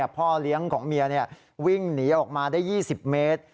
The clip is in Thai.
พ่อเลี้ยงของเมียวิ่งหนีออกมาได้๒๐เมตร